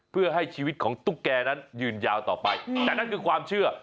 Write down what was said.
เพื่อให้ชีวิตของตุ๊กแกนั้นยืนยาวต่อไปแต่นั่นคือความเชื่อ